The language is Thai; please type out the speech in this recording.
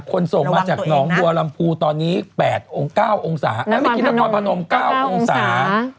คนส่งจากหนองบัวลำภูตอนนี้แปด๙องศาไม่ใช่แค่กับความพันอม๙องศา